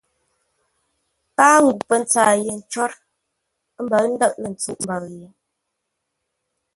Káa ŋuu pə́ ntsâa yé ncwór, ə́ mbou ndə̂ʼ lə̂ ntsûʼ mbəʉ ye.